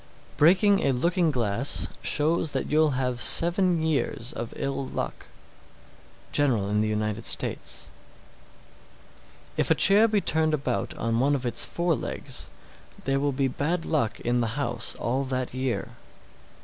Breaking a looking glass shows that you'll have seven years of ill luck. General in the United States. 711. If a chair be turned about on one of its forelegs, there will be bad luck in the house all that year.